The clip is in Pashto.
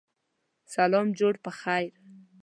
سلام جوړ پخیر